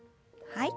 はい。